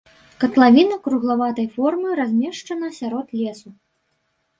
Катлавіна круглаватай формы, размешчана сярод лесу.